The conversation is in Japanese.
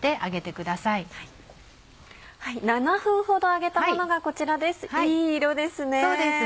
７分ほど揚げたものがこちらです